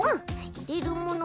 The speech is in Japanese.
いれるもの